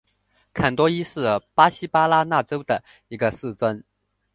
坎多伊是巴西巴拉那州的一个市镇。